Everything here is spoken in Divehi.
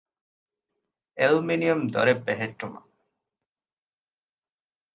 އެލްމިނިއަމް ދޮރެއް ބެހެއްޓުމަށް